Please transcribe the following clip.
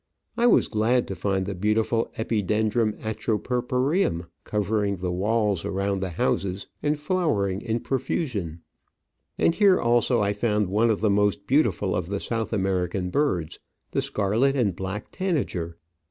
I was glad to find the beautiful Epidendrum atropmpureum cover ing the walls around the houses and flowering in pro fusion ; and here also I found one of the most beautiful of the South American birds — the scarlet and black tanager.